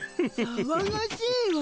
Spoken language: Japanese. さわがしいわ。